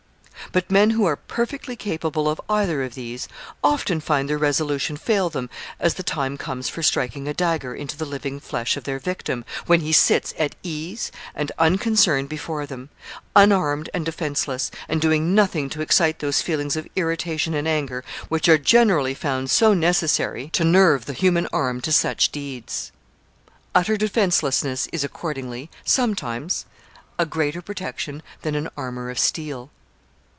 But men who are perfectly capable of either of these often find their resolution fail them as the time comes for striking a dagger into the living flesh of their victim, when he sits at ease and unconcerned before them, unarmed and defenseless, and doing nothing to excite those feelings of irritation and anger which are generally found so necessary to nerve the human arm to such deeds. Utter defenselessness is accordingly, sometimes, a greater protection than an armor of steel.